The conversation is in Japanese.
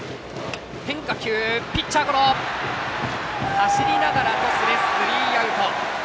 走りながらトスでスリーアウト。